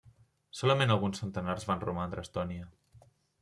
Solament alguns centenars en van romandre a Estònia.